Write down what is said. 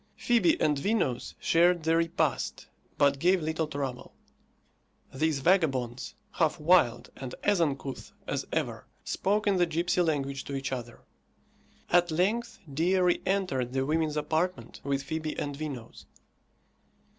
Fibi and Vinos shared the repast, but gave little trouble. These vagabonds, half wild and as uncouth as ever, spoke in the gipsy language to each other. At length Dea re entered the women's apartment with Fibi and Vinos.